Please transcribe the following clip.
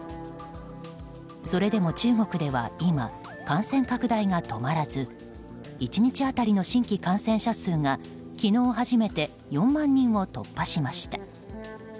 それでも中国では今感染拡大が止まらず１日当たりの新規感染者数が昨日初めて４万人を突破しました。